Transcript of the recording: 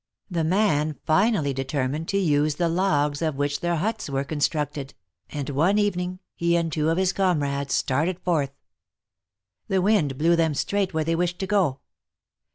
The man finally determined to use the logs of which their huts were constructed, and one evening he and two of his comrades started forth. The wind blew them straight where they wished to go.